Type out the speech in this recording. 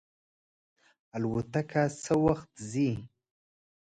الوتکه څه وخت ځي؟